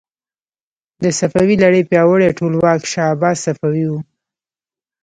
د صفوي لړۍ پیاوړی ټولواک شاه عباس صفوي و.